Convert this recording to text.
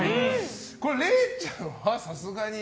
これ、れいちゃんはさすがに。